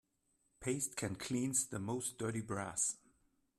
Paste can cleanse the most dirty brass.